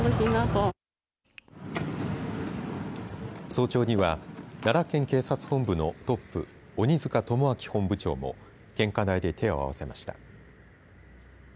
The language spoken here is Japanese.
早朝には奈良県警察本部のトップ鬼塚友章本部長も献花台で手を合わせました。